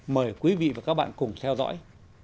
mời quý vị và các bạn cùng theo dõi